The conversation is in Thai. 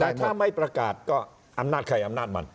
แต่ถ้าไม่ประกาศก็อำนาจใครอำนาจมัน